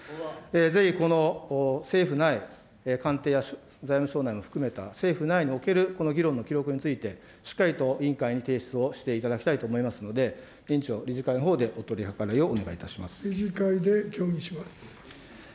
ぜひ、この政府内、官邸や財務省内も含めた、政府内におけるこの議論の記録について、しっかりと委員会に提出をしていただきたいと思いますので、委員長、理事会のほうでお取り計らいをお願いいたします。